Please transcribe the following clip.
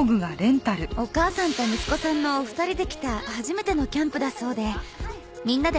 お母さんと息子さんのお二人で来た初めてのキャンプだそうでみんなでお手伝いしました。